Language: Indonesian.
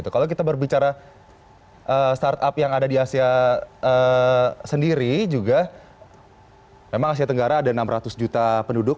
kalau kita berbicara startup yang ada di asia sendiri juga memang asia tenggara ada enam ratus juta penduduk